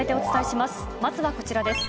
まずはこちらです。